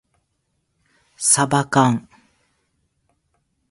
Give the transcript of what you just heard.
さばかん